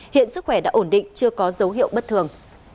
hiện sức khỏe đã ổn định chưa có dấu hiệu bất thường